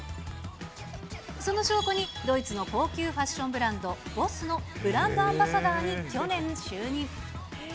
その証拠にドイツの高級ファッションブランド、ＢＯＳＳのブランドアンバサダーに去年就任。